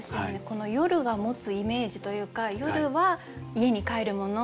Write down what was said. この夜が持つイメージというか夜は家に帰るもの